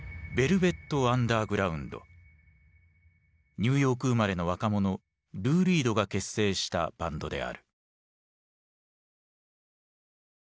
ニューヨーク生まれの若者ルー・リードが結成したバンドである。